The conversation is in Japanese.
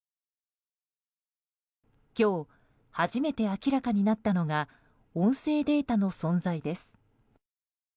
今日、初めて明らかになったのが音声データの存在です。